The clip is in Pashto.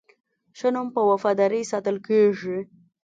ښه نوم په وفادارۍ ساتل کېږي.